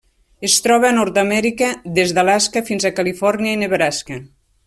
Es troba a Nord-amèrica: des d'Alaska fins a Califòrnia i Nebraska.